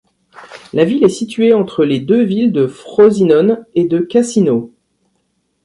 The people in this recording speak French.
La ville est située entre les deux villes de Frosinone et de Cassino.